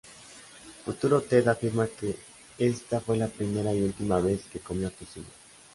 Futuro Ted afirma que esta fue la primera y última vez que comió tocino.